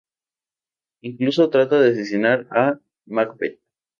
Incluso trata de asesinar a Macbeth.